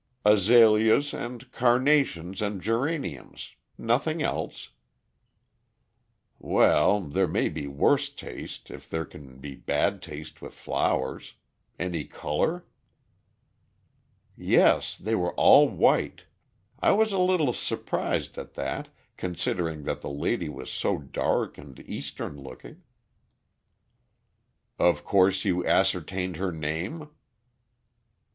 "Azaleas and carnations and geraniums. Nothing else." "Well, there may be worse taste, if there can be bad taste with flowers. Any color?" "Yes, they were all white. I was a little surprised at that, considering that the lady was so dark and Eastern looking." "Of course you ascertained her name?"